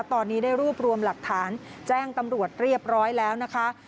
ตอนนี้ได้รวบรวมหลักฐานแจ้งตำรวจเรียบร้อยแล้วนะคะ